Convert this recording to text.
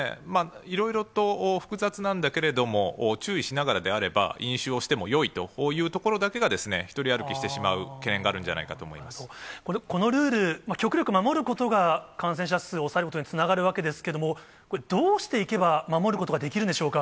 いろいろと複雑なんだけれども、注意しながらであれば、飲酒をしてもよいというところだけが独り歩きしてしまうきらいがこのルール、極力守ることが感染者数を抑えることにつながるわけですけれども、これ、どうしていけば、守ることができるんでしょうか。